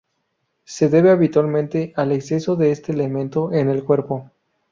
Se debe habitualmente al exceso de este elemento en el cuerpo.